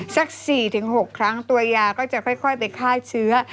สัก๔๖ครั้งตัวยาก็จะค่อยไปฆ่าเชื้อ